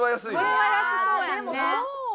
これは安そうやんね。